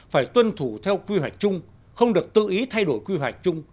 phải tuân thủ theo quy hoạch chung không được tự ý thay đổi quy hoạch chung